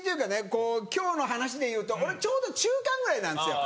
こう今日の話でいうと俺ちょうど中間ぐらいなんですよ。